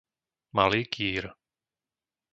Malý Kýr